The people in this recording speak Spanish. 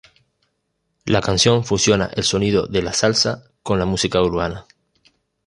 La canción fusiona el sonido de la Salsa con la música urbana.